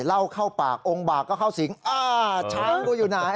เหล้าเข้าปากองค์บากก็เข้าสิงอ่าช้างกูอยู่ไหน